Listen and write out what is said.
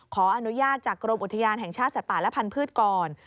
ขออนุญาตจากกรมอุทยานแห่งชาติสัตว์ป่าและพันธุ์ก่อน